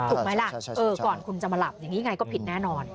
ถูกไหมล่ะก่อนคุณจะมาหลับอย่างนี้ไงก็ผิดแน่นอน